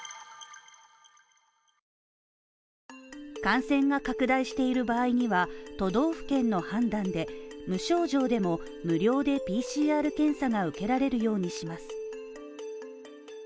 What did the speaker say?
感染が拡大している場合には、都道府県の判断で、無症状でも無料でＰＣＲ検査が受けられるようにします。